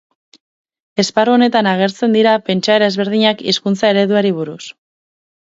Esparru honetan agertzen dira pentsaera ezberdinak hizkuntza ereduari buruz.